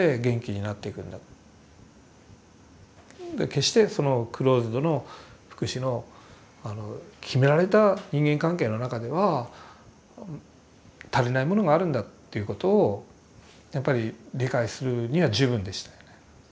決してそのクローズドの福祉の決められた人間関係の中では足りないものがあるんだということをやっぱり理解するには十分でしたよね。